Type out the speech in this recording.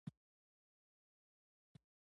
څلور زره کسان له دېرشو زرو جنګياليو سره نه دې برابر.